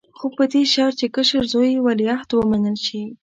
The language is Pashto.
خو په دې شرط چې کشر زوی یې ولیعهد ومنل شي.